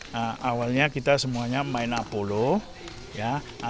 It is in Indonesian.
nah awalnya kita semuanya main apollo ya